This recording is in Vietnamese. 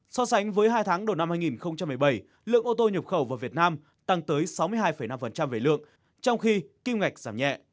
so sánh với hai tháng đầu năm hai nghìn một mươi bảy lượng ô tô nhập khẩu vào việt nam tăng tới sáu mươi hai năm về lượng trong khi kim ngạch giảm nhẹ